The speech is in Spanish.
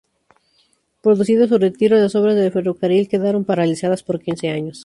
Producido su retiro, las obras del ferrocarril quedaron paralizadas por quince años.